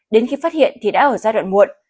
đến khi phát hiện thì đã ở giai đoạn muộn